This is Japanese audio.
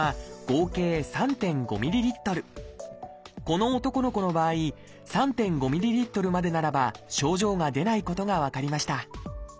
この男の子の場合３．５ｍＬまでならば症状が出ないことが分かりました。